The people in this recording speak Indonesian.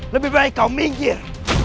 lebih baik kau minggir